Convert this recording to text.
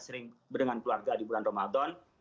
sering dengan keluarga di bulan ramadan